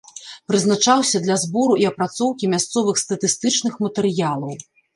Прызначаўся для збору і апрацоўкі мясцовых статыстычных матэрыялаў.